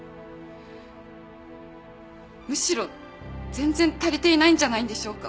むしろ全然足りていないんじゃないんでしょうか？